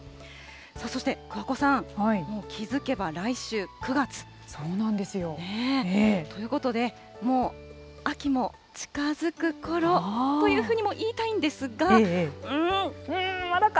そして桑子さん、そうなんですよ。ということで、もう秋も近づくころというふうにも言いたいんまだか。